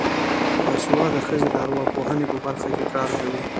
باسواده ښځې د ارواپوهنې په برخه کې کار کوي.